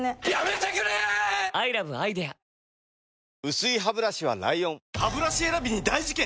薄いハブラシは ＬＩＯＮハブラシ選びに大事件！